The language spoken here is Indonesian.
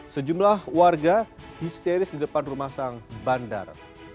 sejumlah warga histeris di depan rumah sang bandar